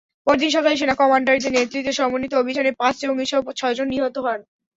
পরদিন সকালে সেনা কমান্ডোদের নেতৃত্বে সমন্বিত অভিযানে পাঁচ জঙ্গিসহ ছয়জন নিহত হন।